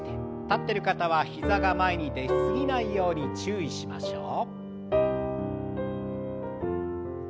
立ってる方は膝が前に出過ぎないように注意しましょう。